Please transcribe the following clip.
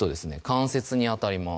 関節に当たります